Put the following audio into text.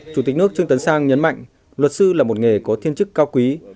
chủ tịch nước trương tấn sang nhấn mạnh luật sư là một nghề có thiên chức cao quý